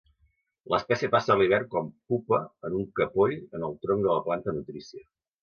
L'espècie passa l'hivern com pupa en un capoll en el tronc de la planta nutrícia.